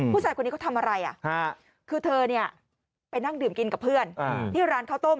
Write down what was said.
ผู้ชายคนนี้เขาทำอะไรคือเธอเนี่ยไปนั่งดื่มกินกับเพื่อนที่ร้านข้าวต้ม